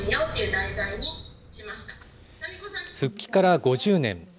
復帰から５０年。